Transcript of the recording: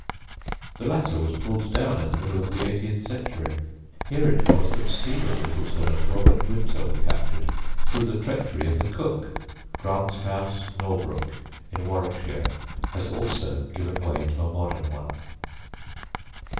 The latter was pulled down in the middle of the eighteenth century. Here it was that Stephen Littleton and Robert Winter were captured through the treachery of the cook. Grant's house, Norbrook, in Warwickshire, has also given way to a modern one.